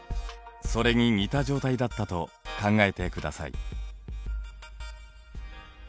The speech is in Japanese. それに似た状態だったと考えてください。